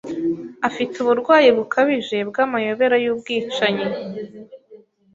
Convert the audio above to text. Afite uburwayi bukabije bwamayobera yubwicanyi.